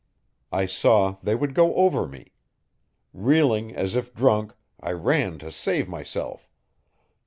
I saw they would go over me. Reeling as if drunk, I ran to save myself.